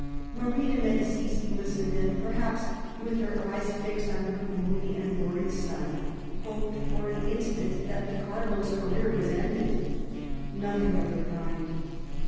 Marie de M6dicis listened, and perhaps, with her eyes fixed on her gloomy and worried son, hoped for an instant that the Cardinal's career was ended. Nothing of the kind.